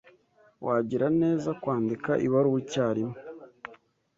wagira neza kwandika ibaruwa icyarimwe.